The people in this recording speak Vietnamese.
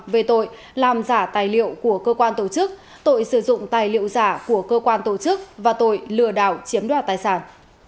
về tội làm giả tài liệu của cơ quan tổ chức tội sử dụng tài liệu giả của cơ quan tổ chức và tội lừa đảo chiếm đoạt tài sản